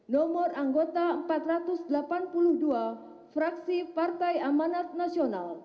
nomor anggota empat ratus delapan puluh dua fraksi partai amanat nasional